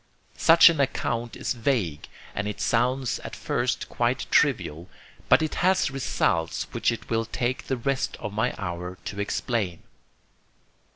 Such an account is vague and it sounds at first quite trivial, but it has results which it will take the rest of my hour to explain.